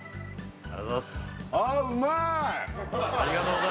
あうまい！